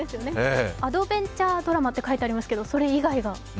アドベンチャードラマって書いてありますけどそれ以外が。